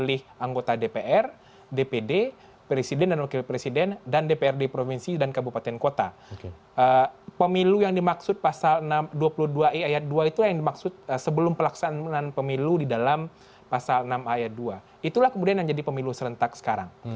itulah kemudian yang jadi pemilu serentak sekarang